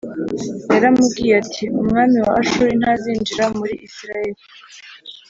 yaramubwiye ati umwami wa Ashuri ntazinjira muri isirayeli